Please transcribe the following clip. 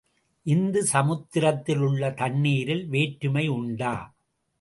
இச்சமுத்திரத்தில் உள்ள தண்ணீரில் வேற்றுமை உண்டா?